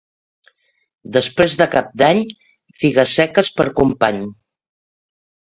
Després de Cap d'Any, figues seques per company.